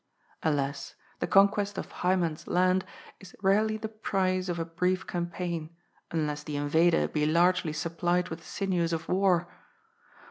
Alas, the conquest of Hymen's land is rarely the prize of a brief campaign, unless the invader be largely supplied with the sinews of war.